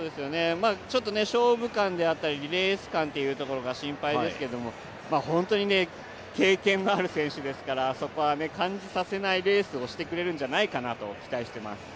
勝負勘であったりレース勘というところが心配ですけども、本当に経験がある選手ですからそこは感じさせないレースをしてくれるんじゃないかなと期待しています。